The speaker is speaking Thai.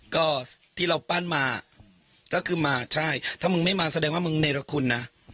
ก็ที่เราปั้นมาก็คือมาใช่ถ้ามึงไม่มาแสดงว่ามึงเนรคุณนะ